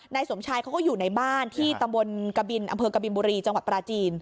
สมชายเขาก็อยู่ในบ้านที่ตำบลกบินอำเภอกบินบุรีจังหวัดปราจีน